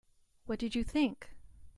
What did you think?